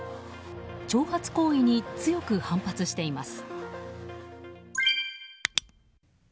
挑発行為に強く反発しています。